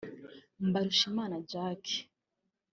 Mbarushimna Jacques